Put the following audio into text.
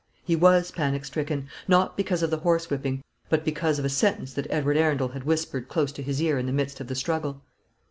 He was panic stricken; not because of the horsewhipping, but because of a sentence that Edward Arundel had whispered close to his ear in the midst of the struggle.